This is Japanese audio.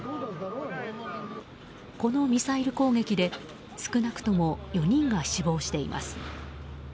このミサイル攻撃で少なくとも４人が死亡しています。